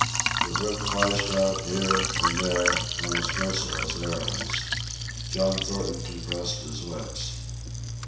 The whip flashed out, here and there, on its merciless errands. John Thornton compressed his lips.